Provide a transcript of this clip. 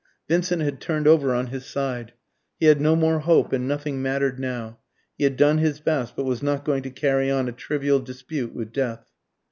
Vincent had turned over on his side. He had no more hope, and nothing mattered now. He had done his best, but was not going to carry on a trivial dispute with death.